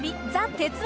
鉄腕！